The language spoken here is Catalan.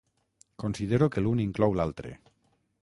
Considero que l'un inclou l'altre.